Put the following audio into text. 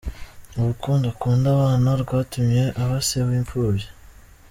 Urukundo akunda abana rwatumye aba se w’imfubyi.